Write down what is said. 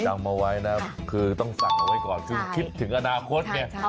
จองเอาไว้นะคือต้องสั่งเอาไว้ก่อนคิดถึงอนาคตเนี่ย